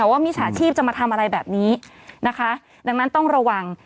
มิจฉาชีพจะมาทำอะไรแบบนี้นะคะดังนั้นต้องระวัง